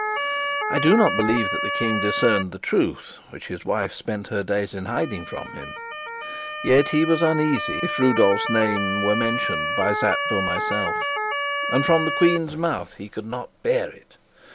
I do not believe that the king discerned that truth which his wife spent her days in hiding from him; yet he was uneasy if Rudolf's name were mentioned by Sapt or myself, and from the queen's mouth he could not bear it.